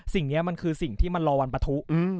สิ่งนี้มันคือสิ่งที่มันรอวันปะทุ